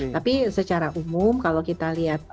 tapi secara umum kalau kita lihat